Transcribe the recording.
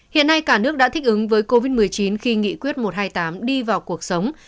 hiện nay cả nước đã thích ứng với covid một mươi chín khi nghị quyết một trăm hai mươi tám đi vào cuộc sống